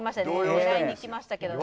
狙いに行きましたね。